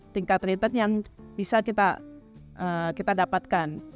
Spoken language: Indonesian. tingkat return yang bisa kita dapatkan